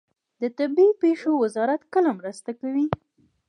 د طبیعي پیښو وزارت کله مرسته کوي؟